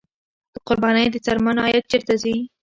د قربانۍ د څرمنو عاید چیرته ځي؟